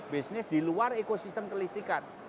bisnis di luar ekosistem kelistikan